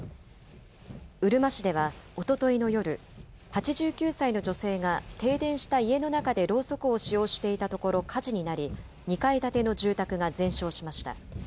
うるま市ではおとといの夜、８９歳の女性が停電した家の中でろうそくを使用していたところ火事になり、２階建ての住宅が全焼しました。